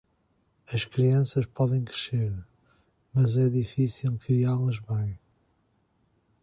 As crianças podem crescer, mas é difícil criá-las bem.